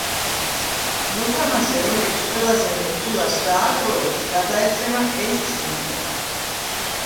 მოთამაშე, რომელიც ყველაზე მეტ ქულას დააგროვებს, გადაეცემა ეს ჯილდო.